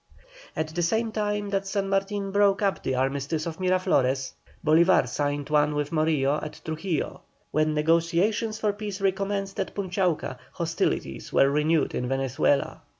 At the same time that San Martin broke up the armistice of Miraflores, Bolívar signed one with Morillo at Trujillo. When negotiations for peace recommenced as Punchauca, hostilities were renewed in Venezuela.